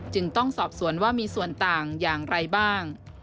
จึงต้องสอบสวนว่ามีส่วนต่างอย่างไรบ้าง